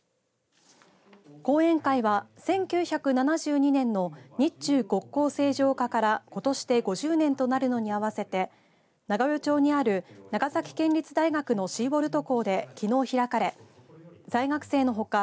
講演会は１９７２年の日中国交正常化からことしで５０年となるのに合わせて長与町にある長崎県立大学のシーボルト校できのう開かれ在学生のほか